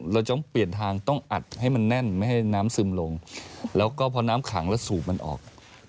เราต้องเปลี่ยนทางต้องอัดให้มันแน่นไม่ให้น้ำซึมลงแล้วก็พอน้ำขังแล้วสูบมันออก